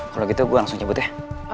kalo gitu gua langsung nyebut ya